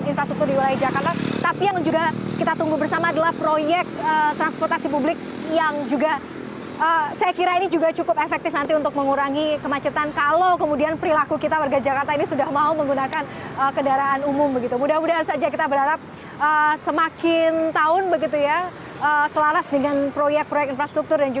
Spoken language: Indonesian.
ini artinya di bawah memang bangkok yang paling tinggi memang di kawasan asia setiap tahun ini harus berhadapan dengan kemacetan ini harus menghabiskan waktu di jalanan membuang bahan bakar tenaga kita ini sebanyak enam puluh tiga jam setiap tahun